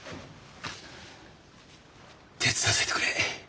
手伝わせてくれ。